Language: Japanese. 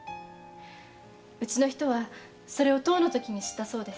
うちの人はそれを十のときに知ったそうです。